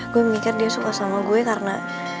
gue mikir dia suka sama gue karena